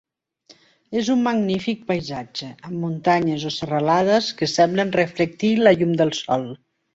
És un magnífic paisatge, amb muntanyes o serralades que semblen reflectir la llum del sol.